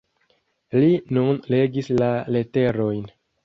Li nun legis la leterojn.